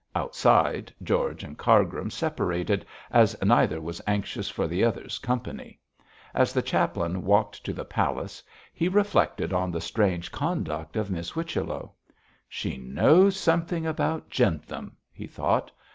Outside, George and Cargrim separated, as neither was anxious for the other's company. As the chaplain walked to the palace he reflected on the strange conduct of Miss Whichello. 'She knows something about Jentham,' he thought.